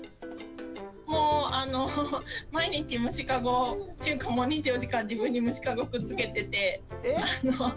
もうあの毎日虫かごというか２４時間自分に虫かごくっつけてて。